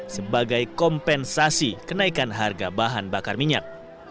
sebagai kompensasi kenaikan harga bahan bakar minyak